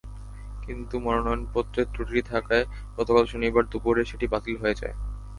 কিন্তু মনোনয়নপত্রে ত্রুটি থাকায় গতকাল শনিবার দুপুরে সেটি বাতিল হয়ে যায়।